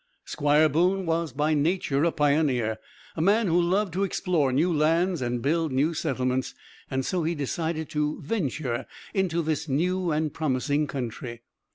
Squire Boone was by nature a pioneer, a man who loved to explore new lands and build new settlements, and so he decided to venture into this new and promising country.